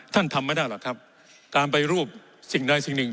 ทำไม่ได้หรอกครับการไปรูปสิ่งใดสิ่งหนึ่ง